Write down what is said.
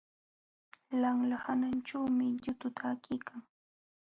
Lanla sananćhuumi yutu takiykan.